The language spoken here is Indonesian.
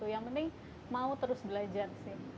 yang penting mau terus belajar sih